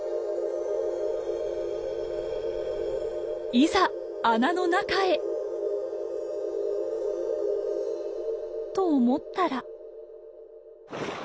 いざ穴の中へ！と思ったら。